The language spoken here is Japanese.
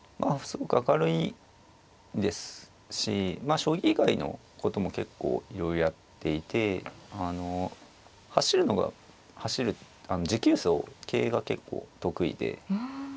すごく明るいですし将棋以外のことも結構いろいろやっていてあの走るのが持久走系が結構得意で１０